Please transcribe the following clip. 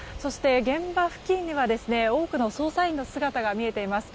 現場付近には多くの捜査員の姿が見えています。